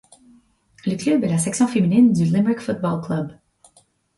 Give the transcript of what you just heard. Le club est la section féminine du Limerick Football Club.